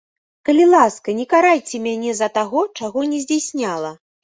Калі ласка, не карайце мяне за таго, чаго не здзяйсняла.